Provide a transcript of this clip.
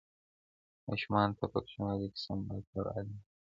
ماشومانو ته په کوچنیوالي کې سم ملاتړ اړین دی.